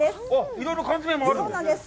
いろいろ缶詰もあるんですね。